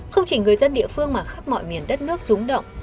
không chỉ người dân địa phương mà khắp mọi miền đất nước rúng động